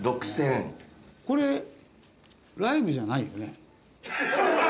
これライブじゃないよね？